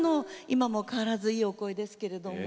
今も変わらずいいお声ですけれども。